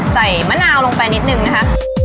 มะนาวลงไปนิดนึงนะคะ